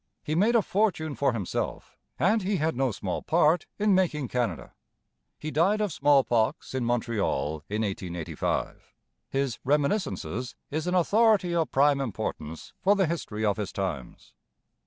He made a fortune for himself and he had no small part in making Canada. He died of smallpox in Montreal in 1885. His Reminiscences is an authority of prime importance for the history of his times.